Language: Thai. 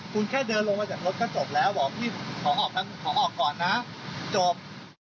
คุณแค่เดินลงมาจากรถก็จบแล้วบอกพี่ขอออกก่อนนะจบ